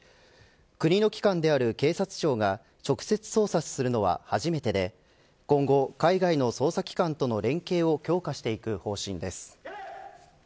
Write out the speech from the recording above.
国の機関であるし警察庁が直接捜査するのは初めてで今後、海外の捜査機関との連携をしっかり強化していく方針です。